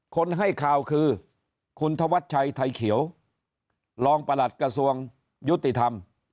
คนให้ข่าวคือคุณธวัชชัยไทยเขียวรองประหลัดกระทรวงยุติธรรม